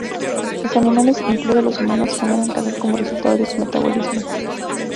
Los animales incluidos los humanos, generan calor como resultado de su metabolismo.